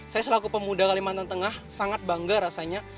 saya selaku pemuda kalimantan tengah sangat bangga rasanya